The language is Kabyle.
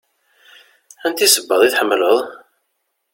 Aniti sebbaḍ i tḥemmleḍ?